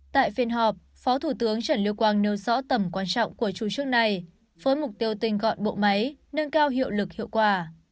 tại phiên họp phó thủ tướng trần lưu quang nêu rõ tầm quan trọng của chủ trương này với mục tiêu tình gọn bộ máy nâng cao hiệu lực hiệu quả